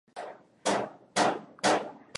Nina uhakika watu wawili watakuja